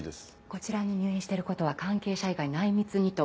こちらに入院してることは関係者以外内密にと。